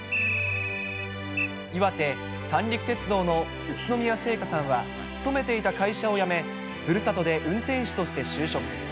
岩手・三陸鉄道の宇都宮セイカさんは、勤めていた会社を辞め、ふるさとで運転士として就職。